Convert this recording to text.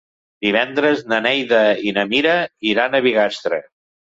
Divendres na Neida i na Mira iran a Bigastre.